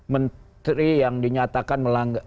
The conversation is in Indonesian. menteri yang dinyatakan